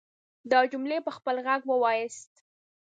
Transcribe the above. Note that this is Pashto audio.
دا جملې په خپل غږ وواياست.